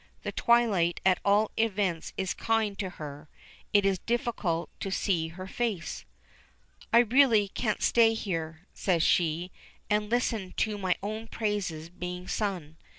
The twilight at all events is kind to her. It is difficult to see her face. "I really can't stay here," says she, "and listen to my own praises being sung.